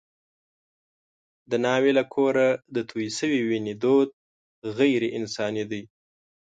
د ناوې له کوره د تویې شوې وینې دود غیر انساني دی.